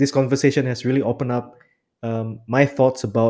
ini benar benar membuka pikiran saya